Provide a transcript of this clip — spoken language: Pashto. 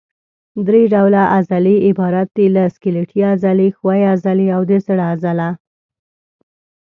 درې ډوله عضلې عبارت دي له سکلیټي عضلې، ښویې عضلې او د زړه عضله.